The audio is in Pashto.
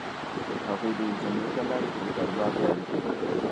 هغوی د انټرنیټ له لارې خپل کاروبار پیل کړ.